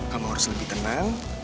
kamu harus lebih tenang